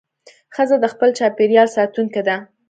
ښځه د خپل چاپېریال ساتونکې ده.